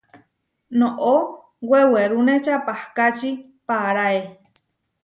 Noʼó wewerúne čapahkáči paaráe.